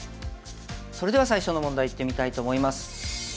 それでは最初の問題いってみたいと思います。